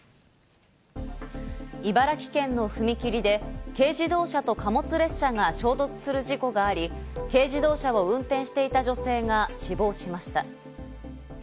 茨城県の踏切で軽自動車と貨物列車が衝突する事故があり、軽自動車を運転していた女性が死亡しました。